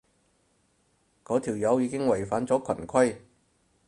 嗰條友已經違反咗群規